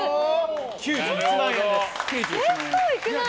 ９１万円です。